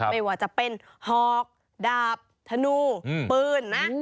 ไม่ว่าจะเป็นหอกดาบธนูปืนนะ